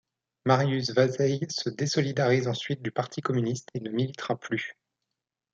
Marius Vazeilles se désolidarise ensuite du Parti communiste et ne militera plus.